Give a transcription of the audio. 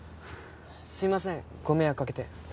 すいませんご迷惑かけて。